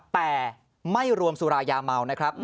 แต่ไม่รวมสุรายมัว